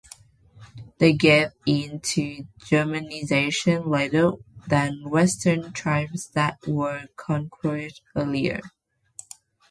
They gave in to Germanization later than western tribes that were conquered earlier.